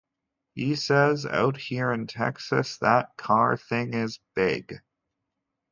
He says; Out here in Texas, that car thing is big.